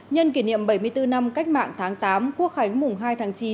nhân kỷ niệm bảy mươi bốn năm cách mạng tháng tám quốc khánh mùng hai tháng chín